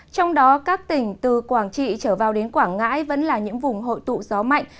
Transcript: trong đó các tỉnh từ quảng trị trở vào đến quảng ngãi vẫn là những vùng hội tụ gió mạnh